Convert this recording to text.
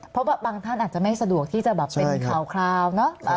เพราะบางท่านอาจจะไม่สะดวกที่จะแบบเป็นข่าวเนาะ